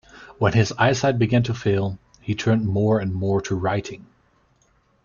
When his eyesight began to fail, he turned more and more to writing.